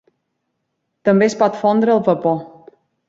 També es pot fondre al vapor.